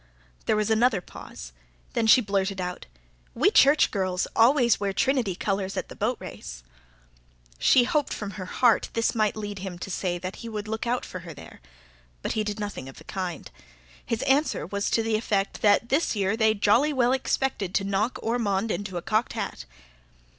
There was another pause; then she blurted out: "We church girls always wear Trinity colours at the boat race." She hoped from her heart, this might lead him to say that he would look out for her there; but he did nothing of the kind. His answer was to the effect that this year they jolly well expected to knock Ormond into a cocked hat.